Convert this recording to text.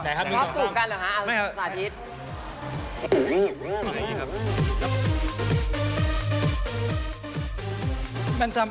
ชอบคลุกกันเหรอฮะสหภิกษา